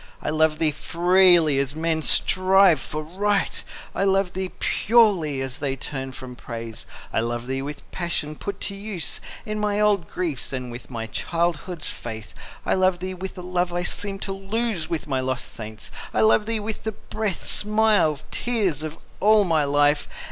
I love thee freely, as men strive for Right; I love thee purely, as they turn from Praise. I love thee with the passion put to use In my old griefs, and with my childhood's faith. I love thee with a love I seemed to lose With my lost saints,—I love thee with the breath, Smiles, tears, of all my life!